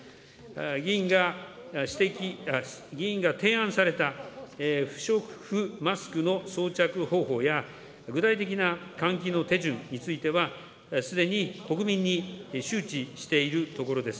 議員が指摘、議員が提案された不織布マスクの装着方法や、具体的な換気の手順については、すでに国民に周知しているところです。